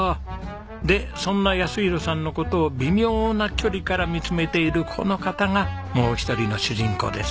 でそんな泰弘さんの事を微妙な距離から見つめているこの方がもう一人の主人公です。